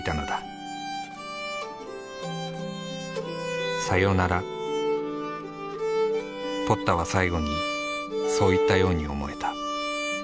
ポッタは最後にそう言ったように思えた。